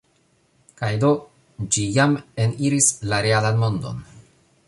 Kaj do, ĝi jam eniris la realan mondon.